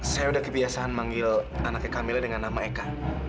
saya sudah kebiasaan manggil anaknya kamila dengan nama eka